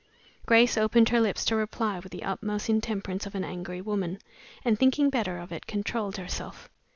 Grace opened her lips to reply with the utmost intemperance of an angry woman, and thinking better of it, controlled herself.